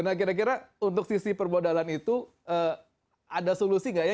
nah kira kira untuk sisi permodalan itu ada solusi nggak ya